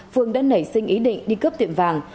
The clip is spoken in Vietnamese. phương đã nảy sinh ý định đi cướp tiệm vàng